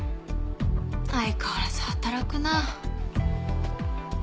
相変わらず働くなあ。